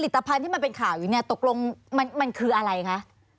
ภัณฑ์ที่มันเป็นข่าวอยู่เนี่ยตกลงมันคืออะไรคะ